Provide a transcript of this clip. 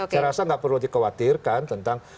saya rasa nggak perlu dikhawatirkan tentang